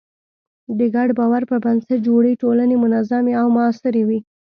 د ګډ باور پر بنسټ جوړې ټولنې منظمې او موثرې وي.